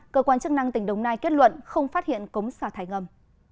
cơ quan chức năng tỉnh đồng nai kết luận không phát hiện cống xả thải ngầm